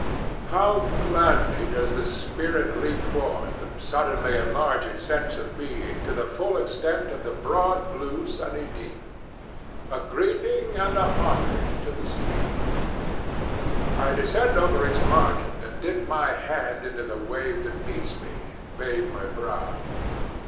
How gladly does the spirit leap forth and suddenly enlarge its sense of being to the full extent of the broad blue, sunny deep! A greeting and a homage to the sea! I descend over its margin and dip my hand into the wave that meets me, and bathe my brow.